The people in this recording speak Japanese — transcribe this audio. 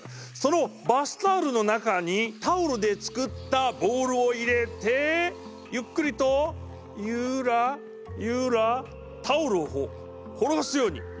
そのバスタオルの中にタオルで作ったボールを入れてゆっくりとゆらゆらタオルを転がすように。